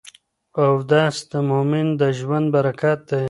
اودس د مؤمن د ژوند برکت دی.